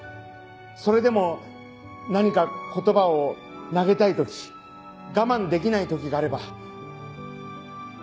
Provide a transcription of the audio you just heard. それでも何か言葉を投げたい時我慢できない時があれば。